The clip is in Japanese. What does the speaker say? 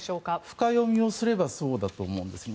深読みをすればそうだと思うんですね。